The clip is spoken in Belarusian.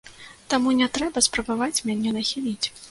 Таму не трэба спрабаваць мяне нахіліць!